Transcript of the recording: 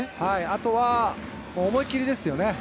あとは思い切りですよね。